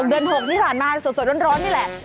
เดือน๖ที่ผ่านมาสดร้อนนี่แหละ